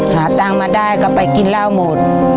หาตังค์มาได้ก็ไปกินเหล้าหมด